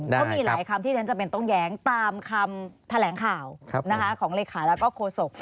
ก็มีหลายคำที่ฉันจำเป็นต้องแย้งตามคำแถลงข่าวของเลขาแล้วก็โฆษก